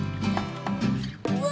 うわ！